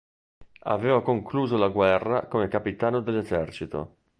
Aveva concluso la guerra come capitano dell'esercito.